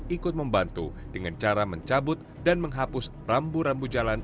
ikut membantu dengan cara mencabut dan menghapus rambu rambu jalan